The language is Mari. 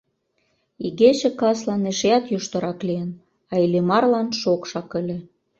Игече каслан эшеат йӱштырак лийын, а Иллимарлан шокшак ыле.